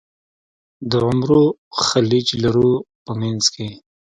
د عمرو خلیج لرو په منځ کې.